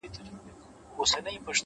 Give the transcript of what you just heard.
هره تجربه د ژوند نوې پوهه زیاتوي،